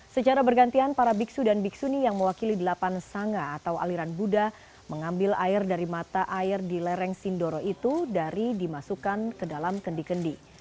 secara bergantian para biksu dan biksuni yang mewakili delapan sanga atau aliran buddha mengambil air dari mata air di lereng sindoro itu dari dimasukkan ke dalam kendi kendi